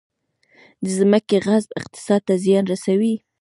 د ځمکې غصب اقتصاد ته زیان رسوي